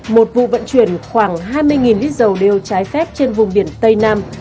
một vụ vận chuyển khoảng hai mươi lít dầu đeo trái phép trên vùng biển tây nam